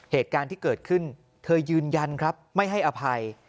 เหตุการณ์ที่เกิดขึ้นเธอยืนยันครับไม่ให้อภัย